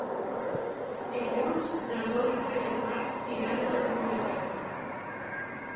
Dilluns na Dolça i en Marc iran a la biblioteca.